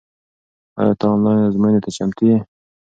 آیا ته آنلاین ازموینې ته چمتو یې؟